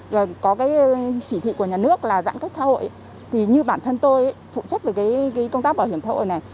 rồi có cái chỉ thị của nhà nước là giãn cách xã hội thì như bản thân tôi phụ trách với cái công tác bảo hiểm xã hội này